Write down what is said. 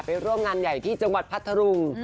ร่วมงานใหญ่ที่จังหวัดพัทธรุง